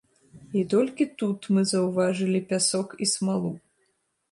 І толькі тут мы заўважылі пясок і смалу.